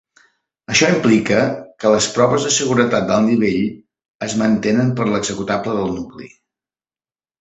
Això implica que les proves de seguretat d'alt nivell es mantenen per a l'executable del nucli.